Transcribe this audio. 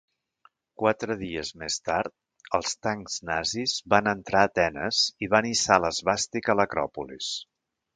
Quatre dies més tard, els tancs nazis van entrar a Atenes i van hissar l'esvàstica a l'Acròpolis.